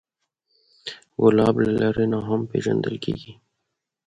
ګلاب له لرې نه هم پیژندل کېږي.